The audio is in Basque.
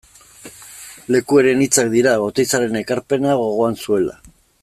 Lekueren hitzak dira, Oteizaren ekarpena gogoan zuela.